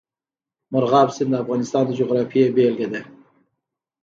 مورغاب سیند د افغانستان د جغرافیې بېلګه ده.